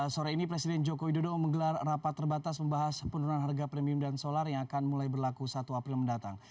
sore ini presiden joko widodo menggelar rapat terbatas membahas penurunan harga premium dan solar yang akan mulai berlaku satu april mendatang